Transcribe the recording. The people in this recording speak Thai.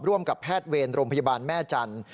ร่วมกับแพทย์เวรโรงพยาบาลแม่จันทร์